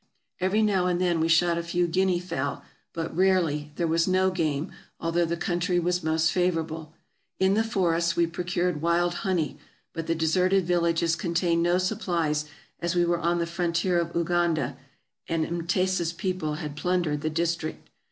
Every now and then we shot a kw guinea fowl, but rarely; there was no game, although the country was most favorable. In the forests we procured wild honey; but the deserted villages contained no supplies, as we were on the frontier of Uganda, and Mtesa's people had plun dered the district.